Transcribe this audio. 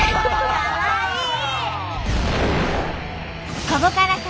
かわいい！